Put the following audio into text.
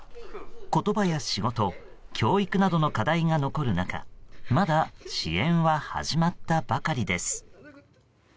言葉や仕事、教育などの課題が残る中まだ支援は始まったばかりです。